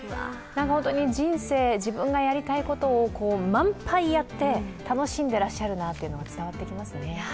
本当に人生、自分がやりたいことを満杯やって、楽しんでいらっしゃるなというのが伝わってきますね。